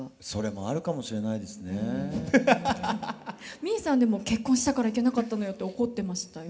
実衣さんでも「結婚したからいけなかったのよ」って怒ってましたよね。